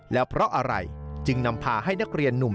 แล้วเพราะอะไรจึงนำพาให้นักเรียนหนุ่ม